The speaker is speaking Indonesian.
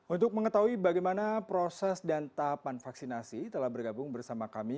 untuk mengetahui bagaimana proses dan tahapan vaksinasi telah bergabung bersama kami